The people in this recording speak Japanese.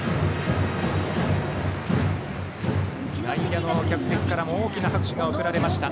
内野の客席からも大きな拍手が送られました。